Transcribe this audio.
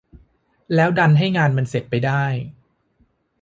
แล้วดันให้งานมันเสร็จไปได้